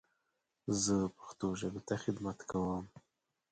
زه پښتو ژبې ته خدمت کوم.